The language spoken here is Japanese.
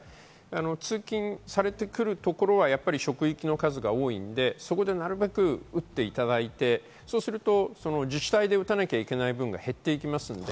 通勤されてくるところは職域の数が多いので、そこでなるべく打っていただいてすると自治体で打たなきゃいけない部分が減ります。